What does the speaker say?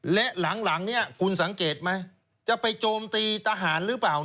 และหลังนี้คุณสังเกตไหมจะไปโจมตีทหารหรือเปล่า